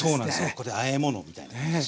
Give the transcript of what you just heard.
これであえ物みたいな感じしますね。